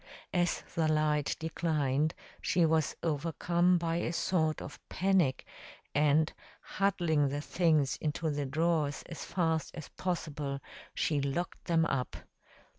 As the light declined she was overcome by a sort of panic, and, huddling the things into the drawers as fast as possible, she locked them up.